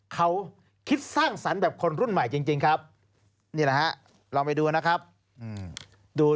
เขาคิดสร้างสรรค์แบบคนรุ่นใหม่จริงครับนี่แหละฮะลองไปดูนะครับดู